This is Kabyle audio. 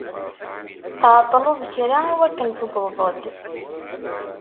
Tɛeṭṭlḍ kra i wakken tewwḍeḍ-d.